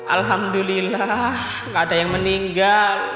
alhamdulillah ada yang meninggal